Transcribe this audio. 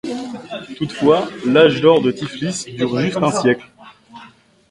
Toutefois, l'Âge d'Or de Tiflis dure juste un siècle.